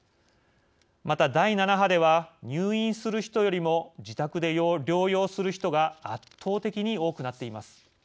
また第７波では入院する人よりも自宅で療養する人が圧倒的に多くなっています。